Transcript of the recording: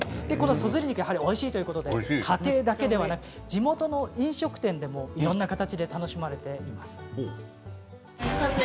そずり肉、おいしいということで家庭だけじゃなく地元の飲食店でもいろいろな形で楽しまれています。